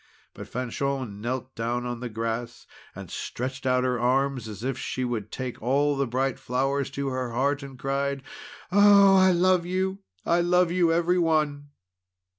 But Fanchon knelt down on the grass, and stretched out her arms, as if she would take all the bright flowers to her heart, and cried: "Ah! I love you! I love you every one!"